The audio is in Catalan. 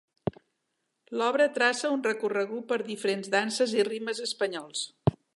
L'obra traça un recorregut per diferents danses i ritmes espanyols.